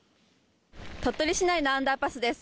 鳥取市内のアンダーパスです。